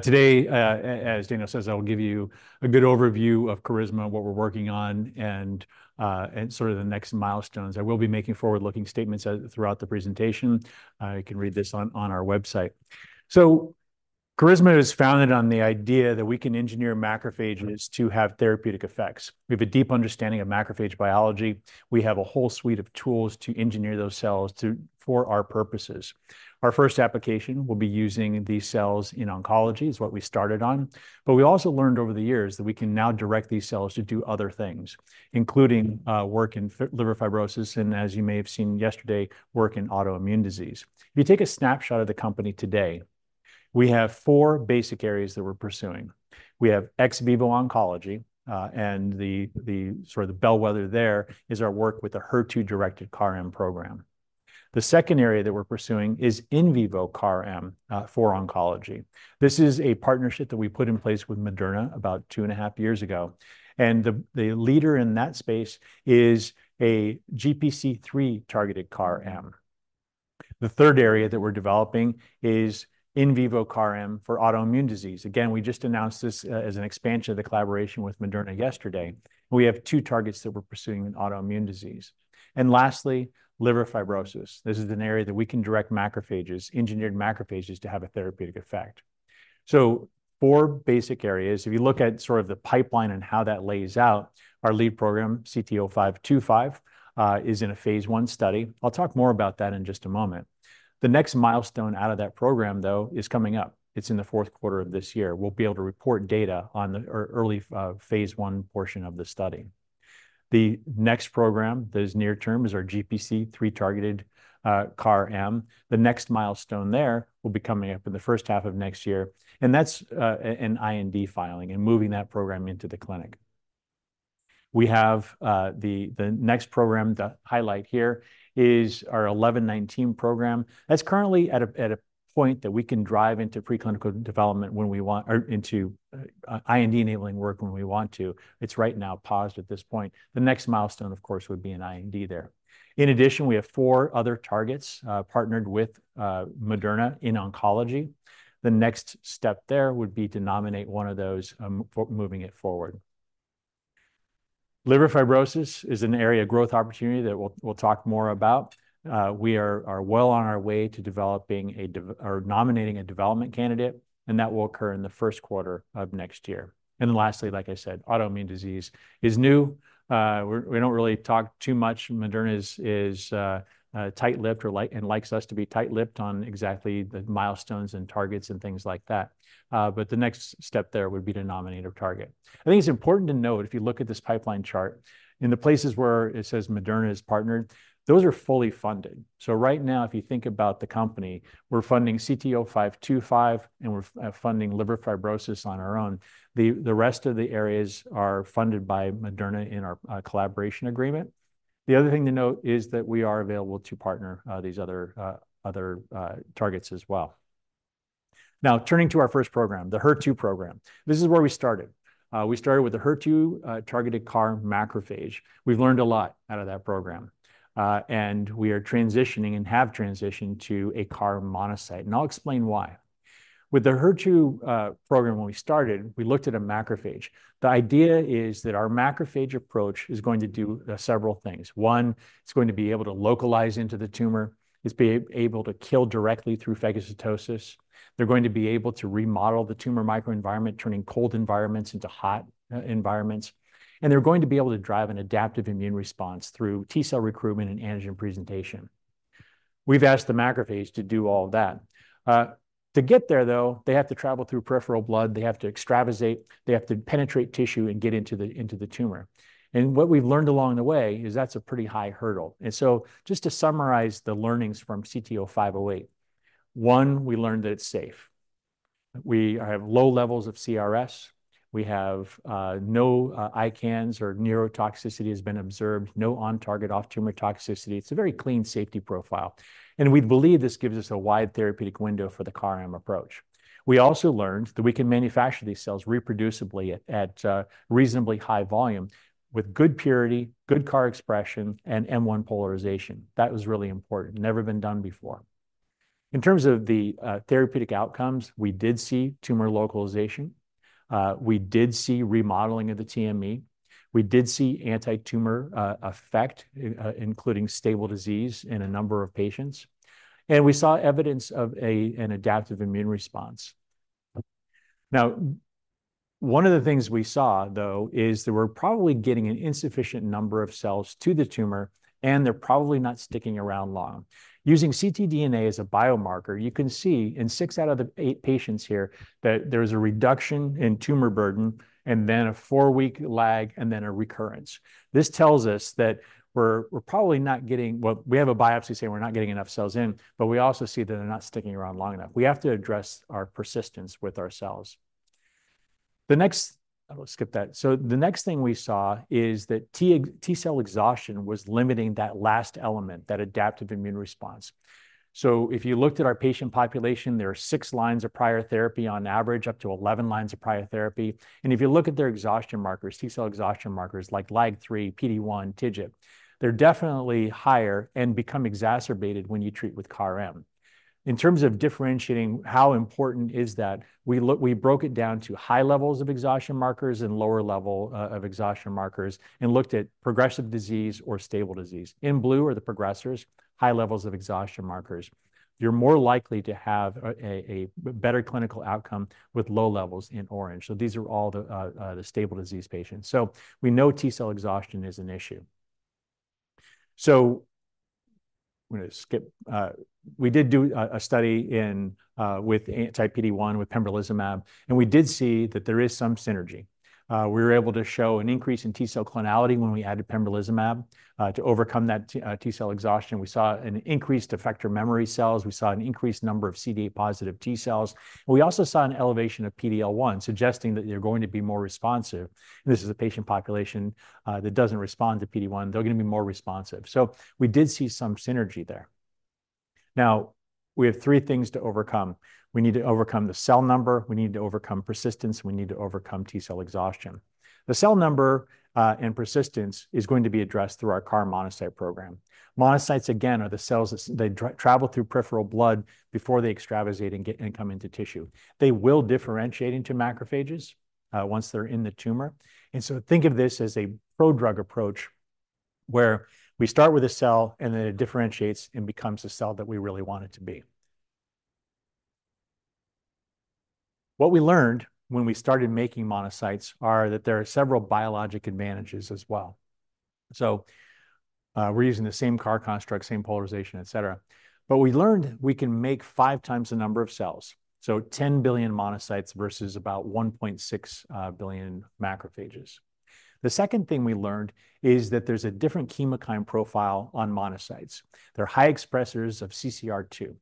Today, as Daniel says, I will give you a good overview of Carisma, what we're working on, and sort of the next milestones. I will be making forward-looking statements throughout the presentation. You can read this on our website, so Carisma is founded on the idea that we can engineer macrophages to have therapeutic effects. We have a deep understanding of macrophage biology. We have a whole suite of tools to engineer those cells for our purposes. Our first application will be using these cells in oncology, is what we started on, but we also learned over the years that we can now direct these cells to do other things, including work in liver fibrosis, and as you may have seen yesterday, work in autoimmune disease. If you take a snapshot of the company today, we have four basic areas that we're pursuing. We have Ex Vivo oncology, and the sort of bellwether there is our work with the HER2-directed CAR-M program. The second area that we're pursuing is In Vivo CAR-M for oncology. This is a partnership that we put in place with Moderna about two and a half years ago, and the leader in that space is a GPC3-targeted CAR-M. The third area that we're developing is In Vivo CAR-M for autoimmune disease. Again, we just announced this as an expansion of the collaboration with Moderna yesterday. We have two targets that we're pursuing in autoimmune disease. And lastly, liver fibrosis. This is an area that we can direct macrophages, engineered macrophages, to have a therapeutic effect. So four basic areas. If you look at sort of the pipeline and how that lays out, our lead program, CT-0525, is in a phase I study. I'll talk more about that in just a moment. The next milestone out of that program, though, is coming up. It's in the fourth quarter of this year. We'll be able to report data on the early phase I portion of the study. The next program, that is near term, is our GPC3-targeted CAR-M. The next milestone there will be coming up in the first half of next year, and that's an IND filing and moving that program into the clinic. We have the next program to highlight here is our 1119 program. That's currently at a point that we can drive into preclinical development when we want or into IND-enabling work when we want to. It's right now paused at this point. The next milestone, of course, would be an IND there. In addition, we have four other targets partnered with Moderna in oncology. The next step there would be to nominate one of those for moving it forward. Liver fibrosis is an area of growth opportunity that we'll talk more about. We are well on our way to developing or nominating a development candidate, and that will occur in the first quarter of next year. And lastly, like I said, autoimmune disease is new. We don't really talk too much. Moderna is tight-lipped and likes us to be tight-lipped on exactly the milestones and targets and things like that. But the next step there would be to nominate a target. I think it's important to note, if you look at this pipeline chart, in the places where it says Moderna is partnered, those are fully funded. So right now, if you think about the company, we're funding CT-0525, and we're funding liver fibrosis on our own. The rest of the areas are funded by Moderna in our collaboration agreement. The other thing to note is that we are available to partner these other targets as well. Now, turning to our first program, the HER2 program. This is where we started. We started with the HER2 targeted CAR macrophage. We've learned a lot out of that program, and we are transitioning and have transitioned to a CAR monocyte, and I'll explain why. With the HER2 program, when we started, we looked at a macrophage. The idea is that our macrophage approach is going to do several things. One, it's going to be able to localize into the tumor. It's able to kill directly through phagocytosis. They're going to be able to remodel the tumor microenvironment, turning cold environments into hot environments. And they're going to be able to drive an adaptive immune response through T cell recruitment and antigen presentation. We've asked the macrophages to do all of that. To get there, though, they have to travel through peripheral blood, they have to extravasate, they have to penetrate tissue and get into the tumor. And what we've learned along the way is that's a pretty high hurdle. And so just to summarize the learnings from CT-0508, one, we learned that it's safe. We have low levels of CRS. We have no ICANS or neurotoxicity has been observed. No on-target, off-tumor toxicity. It's a very clean safety profile, and we believe this gives us a wide therapeutic window for the CAR-M approach. We also learned that we can manufacture these cells reproducibly at reasonably high volume with good purity, good CAR expression, and M1 polarization. That was really important. Never been done before. In terms of the therapeutic outcomes, we did see tumor localization. We did see remodeling of the TME. We did see anti-tumor effect, including stable disease in a number of patients, and we saw evidence of an adaptive immune response. Now, one of the things we saw, though, is that we're probably getting an insufficient number of cells to the tumor, and they're probably not sticking around long. Using ctDNA as a biomarker, you can see in six out of the eight patients here that there is a reduction in tumor burden and then a four-week lag and then a recurrence. This tells us that we're probably not getting. Well, we have a biopsy saying we're not getting enough cells in, but we also see that they're not sticking around long enough. We have to address our persistence with our cells. The next, I'll skip that. So the next thing we saw is that T cell exhaustion was limiting that last element, that adaptive immune response. So if you looked at our patient population, there are six lines of prior therapy on average, up to eleven lines of prior therapy. If you look at their exhaustion markers, T cell exhaustion markers like LAG-3, PD-1, TIGIT, they're definitely higher and become exacerbated when you treat with CAR-M. In terms of differentiating how important is that, we broke it down to high levels of exhaustion markers and lower level of exhaustion markers, and looked at progressive disease or stable disease. In blue are the progressors, high levels of exhaustion markers. You're more likely to have a better clinical outcome with low levels in orange. So these are all the stable disease patients. So we know T cell exhaustion is an issue. So I'm gonna skip. We did do a study with anti-PD-1, with pembrolizumab, and we did see that there is some synergy. We were able to show an increase in T cell clonality when we added pembrolizumab to overcome that T cell exhaustion. We saw an increased effector memory cells. We saw an increased number of CD8 positive T cells, and we also saw an elevation of PD-L1, suggesting that you're going to be more responsive. This is a patient population that doesn't respond to PD-1. They're gonna be more responsive. So we did see some synergy there. Now, we have three things to overcome. We need to overcome the cell number, we need to overcome persistence, we need to overcome T cell exhaustion. The cell number and persistence is going to be addressed through our CAR monocyte program. Monocytes, again, are the cells that travel through peripheral blood before they extravasate and get, and come into tissue. They will differentiate into macrophages once they're in the tumor. And so think of this as a pro-drug approach, where we start with a cell, and then it differentiates and becomes the cell that we really want it to be. What we learned when we started making monocytes are that there are several biologic advantages as well. So, we're using the same CAR construct, same polarization, et cetera. But we learned we can make five times the number of cells, so 10 billion monocytes versus about 1.6 billion macrophages. The second thing we learned is that there's a different chemokine profile on monocytes. They're high expressers of CCR2.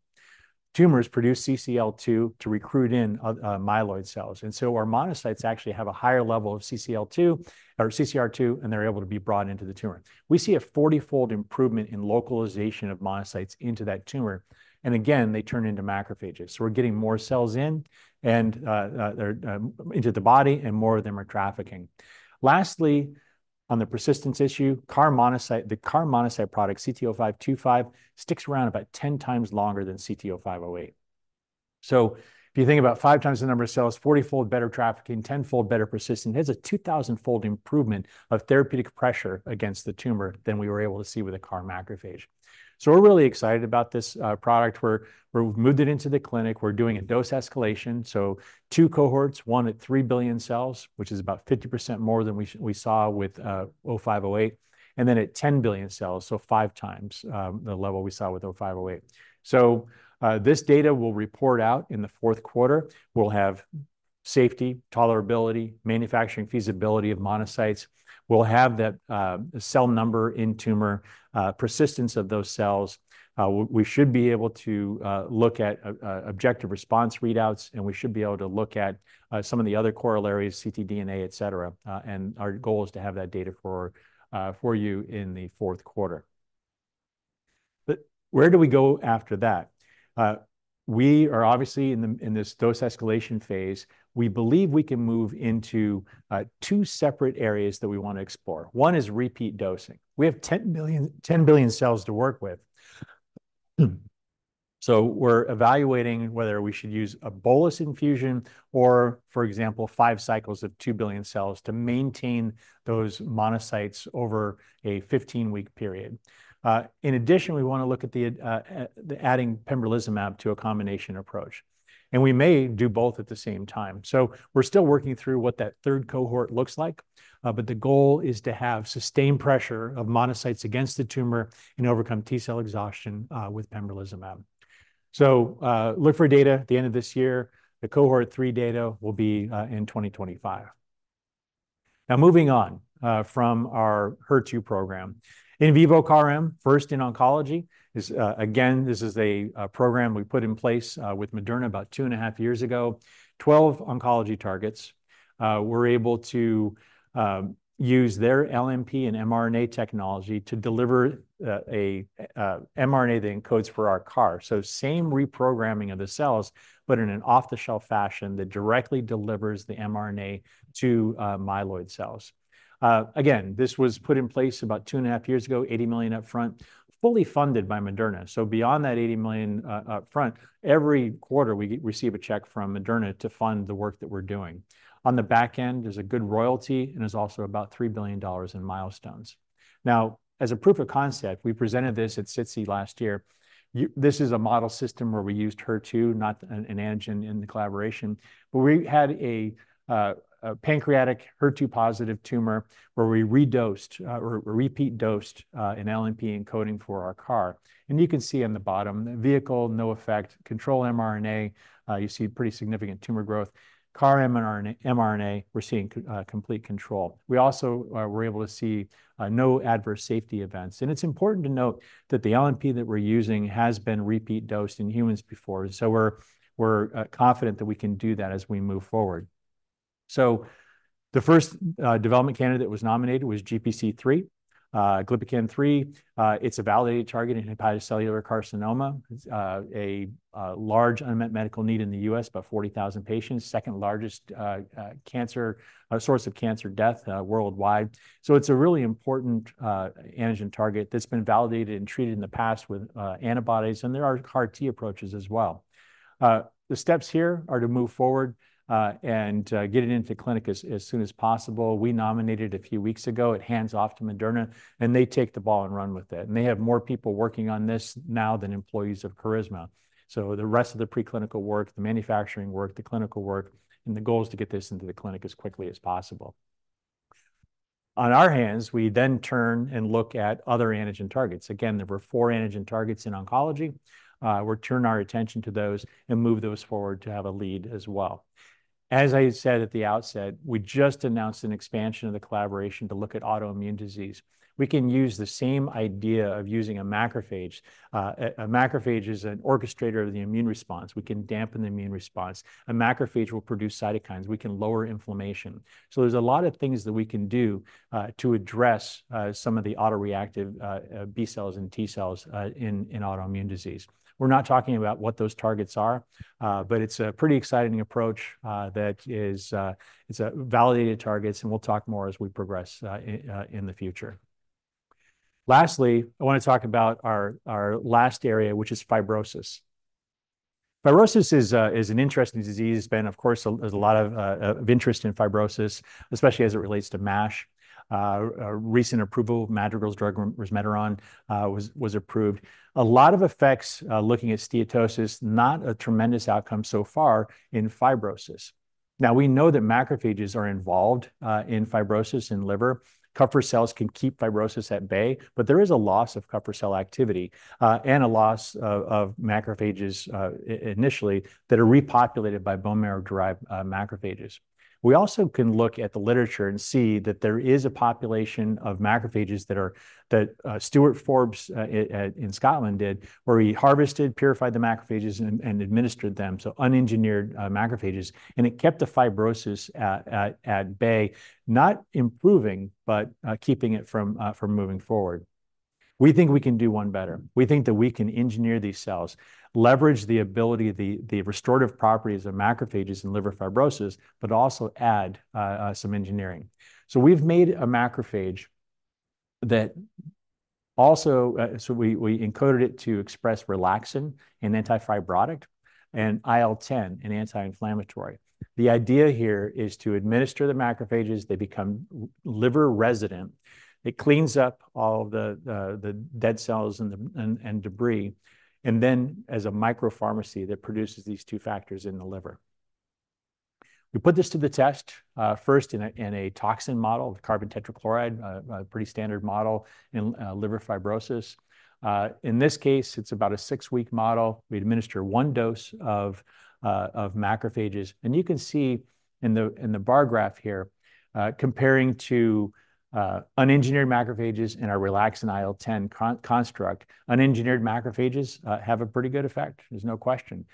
Tumors produce CCL2 to recruit in myeloid cells, and so our monocytes actually have a higher level of CCL2 or CCR2, and they're able to be brought into the tumor. We see a forty-fold improvement in localization of monocytes into that tumor, and again, they turn into macrophages. So we're getting more cells in and they're into the body, and more of them are trafficking. Lastly, on the persistence issue, CAR monocyte, the CAR monocyte product, CT-0525, sticks around about ten times longer than CT-0508. So if you think about five times the number of cells, forty-fold better trafficking, ten-fold better persistent, there's a two thousand fold improvement of therapeutic pressure against the tumor than we were able to see with a CAR macrophage. So we're really excited about this product. We've moved it into the clinic. We're doing a dose escalation, so two cohorts, one at three billion cells, which is about 50% more than we saw with 0508, and then at 10 billion cells, so five times the level we saw with 0508. So, this data will report out in the fourth quarter. We'll have safety, tolerability, manufacturing, feasibility of monocytes. We'll have that cell number in tumor, persistence of those cells. We should be able to look at a objective response readouts, and we should be able to look at some of the other corollaries, ctDNA, et cetera. Our goal is to have that data for you in the fourth quarter. But where do we go after that? We are obviously in this dose escalation phase. We believe we can move into two separate areas that we wanna explore. One is repeat dosing. We have 10 million, 10 billion cells to work with. So we're evaluating whether we should use a bolus infusion or, for example, five cycles of 2 billion cells to maintain those monocytes over a 15-week period. In addition, we wanna look at the adding pembrolizumab to a combination approach, and we may do both at the same time. So we're still working through what that third cohort looks like, but the goal is to have sustained pressure of monocytes against the tumor and overcome T cell exhaustion with pembrolizumab. So, look for data at the end of this year. The cohort three data will be in 2025. Now, moving on from our HER2 program. In Vivo CAR-M, first in oncology, is again this is a program we put in place with Moderna about two and a half years ago. Twelve oncology targets, we're able to use their LNP and mRNA technology to deliver a mRNA that encodes for our CAR. So same reprogramming of the cells, but in an off-the-shelf fashion that directly delivers the mRNA to myeloid cells. Again, this was put in place about two and a half years ago, $80 million up front, fully funded by Moderna. So beyond that $80 million up front, every quarter, we receive a check from Moderna to fund the work that we're doing. On the back end, there's a good royalty, and there's also about $3 billion in milestones. Now, as a proof of concept, we presented this at SITC last year. This is a model system where we used HER2, not an antigen in the collaboration, but we had a pancreatic HER2 positive tumor where we redosed or repeat dosed an LNP encoding for our CAR. And you can see on the bottom, vehicle, no effect, control mRNA, you see pretty significant tumor growth. CAR mRNA, we're seeing complete control. We also were able to see no adverse safety events. And it's important to note that the LNP that we're using has been repeat dosed in humans before. So we're confident that we can do that as we move forward. The first development candidate nominated was GPC3, Glypican-3. It's a validated target in hepatocellular carcinoma. It's a large unmet medical need in the U.S., about forty thousand patients, second largest cancer source of cancer death worldwide. So it's a really important antigen target that's been validated and treated in the past with antibodies, and there are CAR T approaches as well. The steps here are to move forward and get it into the clinic as soon as possible. We nominated a few weeks ago. It hands off to Moderna, and they take the ball and run with it. And they have more people working on this now than employees of Carisma. So the rest of the preclinical work, the manufacturing work, the clinical work, and the goal is to get this into the clinic as quickly as possible. On our hands, we then turn and look at other antigen targets. Again, there were four antigen targets in oncology. We turn our attention to those and move those forward to have a lead as well. As I said at the outset, we just announced an expansion of the collaboration to look at autoimmune disease. We can use the same idea of using a macrophage. A macrophage is an orchestrator of the immune response. We can dampen the immune response. A macrophage will produce cytokines. We can lower inflammation. So there's a lot of things that we can do to address some of the autoreactive B cells and T cells in autoimmune disease. We're not talking about what those targets are, but it's a pretty exciting approach that is, it's validated targets, and we'll talk more as we progress in the future. Lastly, I wanna talk about our last area, which is fibrosis. Fibrosis is an interesting disease. But of course, there's a lot of interest in fibrosis, especially as it relates to MASH. A recent approval of Madrigal's drug, resmetirom, was approved. A lot of effects looking at steatosis, not a tremendous outcome so far in fibrosis. Now, we know that macrophages are involved in fibrosis in liver. Kupffer cells can keep fibrosis at bay, but there is a loss of Kupffer cell activity and a loss of macrophages initially that are repopulated by bone marrow-derived macrophages. We also can look at the literature and see that there is a population of macrophages that are Stuart Forbes in Scotland did, where he harvested, purified the macrophages, and administered them, so unengineered macrophages, and it kept the fibrosis at bay, not improving, but keeping it from moving forward. We think we can do one better. We think that we can engineer these cells, leverage the ability, the restorative properties of macrophages in liver fibrosis, but also add some engineering. So we've made a macrophage that also. So we encoded it to express relaxin, an anti-fibrotic, and IL-10, an anti-inflammatory. The idea here is to administer the macrophages. They become liver resident. It cleans up all the dead cells and the debris, and then, as a micropharmacy, that produces these two factors in the liver. We put this to the test, first in a toxin model, the carbon tetrachloride, a pretty standard model in liver fibrosis. In this case, it's about a six-week model. We administer one dose of macrophages, and you can see in the bar graph here, comparing to unengineered macrophages in our relaxin IL-10 construct. Unengineered macrophages have a pretty good effect, there's no question.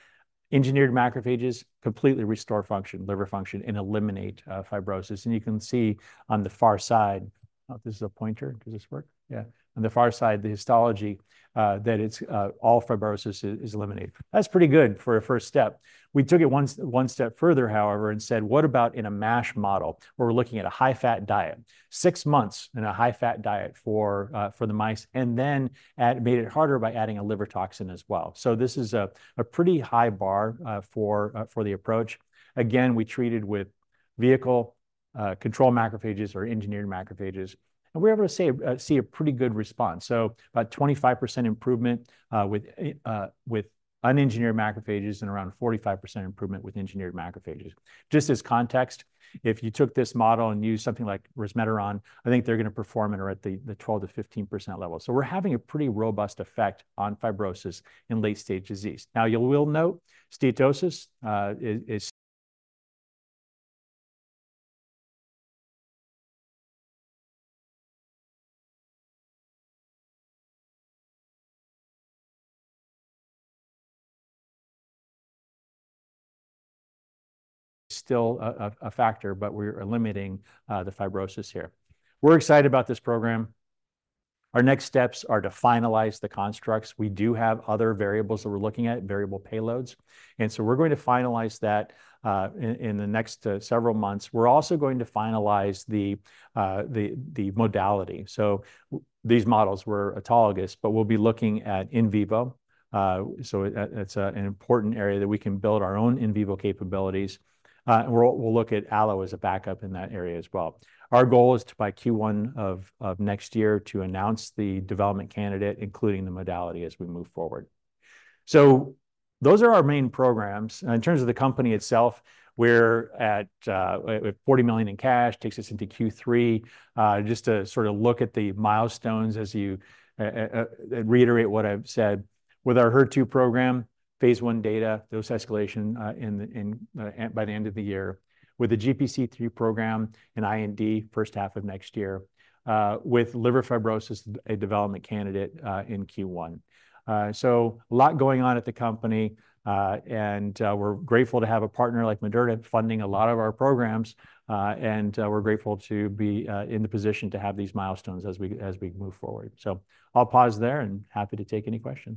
Engineered macrophages completely restore function, liver function, and eliminate fibrosis. And you can see on the far side. Oh, this is a pointer. Does this work? Yeah. On the far side, the histology that it's all fibrosis is eliminated. That's pretty good for a first step. We took it one step further, however, and said: What about in a MASH model, where we're looking at a high-fat diet? Six months in a high-fat diet for the mice, and then made it harder by adding a liver toxin as well. So this is a pretty high bar for the approach. Again, we treated with vehicle control macrophages or engineered macrophages, and we were able to see a pretty good response. So about 25% improvement with unengineered macrophages and around 45% improvement with engineered macrophages. Just as context, if you took this model and used something like resmetirom, I think they're gonna perform it at the 12% to 15% level. So we're having a pretty robust effect on fibrosis in late-stage disease. Now, you will note steatosis is still a factor, but we're limiting the fibrosis here. We're excited about this program. Our next steps are to finalize the constructs. We do have other variables that we're looking at, variable payloads, and so we're going to finalize that in the next several months. We're also going to finalize the modality. So these models were autologous, but we'll be looking at In Vivo. So it's an important area that we can build our own In Vivo capabilities. And we'll look at allo as a backup in that area as well. Our goal is to, by Q1 of next year, to announce the development candidate, including the modality, as we move forward. So those are our main programs. In terms of the company itself, we're at with $40 million in cash, takes us into Q3. Just to sort of look at the milestones as you reiterate what I've said. With our HER2 program, phase I data, dose escalation by the end of the year. With the GPC3 program and IND, first half of next year. With liver fibrosis, a development candidate in Q1. So a lot going on at the company, and we're grateful to have a partner like Moderna funding a lot of our programs, and we're grateful to be in the position to have these milestones as we move forward. So I'll pause there and happy to take any questions.